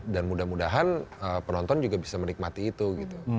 dan mudah mudahan penonton juga bisa menikmati itu gitu